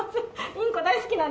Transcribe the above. インコ大好きなんです。